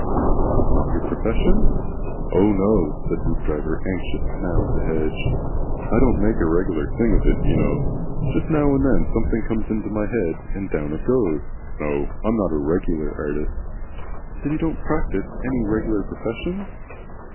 "It's not your profession? "Oh, no," said Hoopdriver, anxious now to hedge. "I don't make a regular thing of it, you know. Jest now and then something comes into my head and down it goes. No I'm not a regular artist." "Then you don't practise any regular profession?"